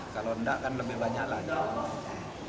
kalau enggak kan lebih banyak lagi